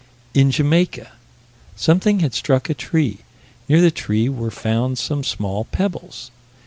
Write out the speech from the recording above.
in Jamaica something had struck a tree: near the tree were found some small pebbles.